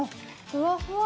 ふわふわ。